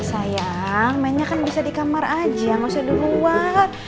sayang mainnya kan bisa di kamar aja gak usah di luar